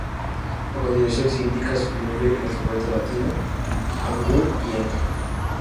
A continuación se indican sus nombres en alfabeto latino, Hangul, y Hanja.